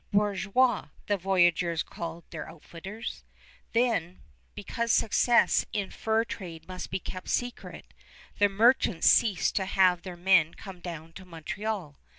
"Bourgeois," the voyageurs call their outfitters. Then, because success in fur trade must be kept secret, the merchants cease to have their men come down to Montreal.